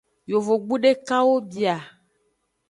Yovogbu dekawo bia.